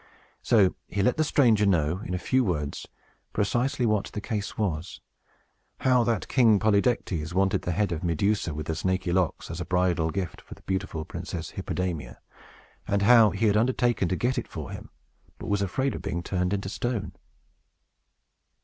So he let the stranger know, in few words, precisely what the case was, how that King Polydectes wanted the head of Medusa with the snaky locks as a bridal gift for the beautiful Princess Hippodamia, and how that he had undertaken to get it for him, but was afraid of being turned into stone.